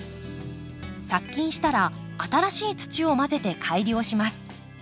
殺菌したら新しい土を混ぜて改良します。